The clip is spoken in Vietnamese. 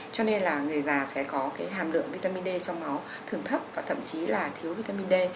cho nên là người già sẽ có cái hàm lượng vitamin d trong máu thường thấp và thậm chí là thiếu vitamin d